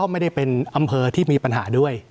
ไม่ได้เป็นอำเภอที่มีปัญหาด้วย